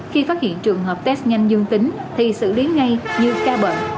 khi phát hiện trường hợp test nhanh dương tính thì xử lý ngay như ca bệnh